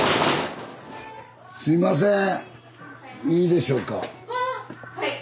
いいでしょうか？